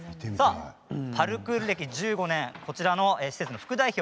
パルクール歴１５年こちらの施設の副代表